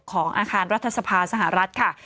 ของอาคารรัฐสภาสหรัฐค่ะ